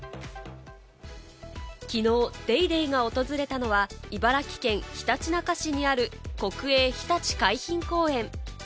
きのう『ＤａｙＤａｙ．』が訪れたのは、茨城県ひたちなか市にある、国営ひたち海浜公園。